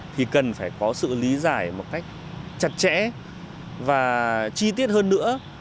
thì cần phải có sự lý giải một cách chặt chẽ và chi tiết hơn nữa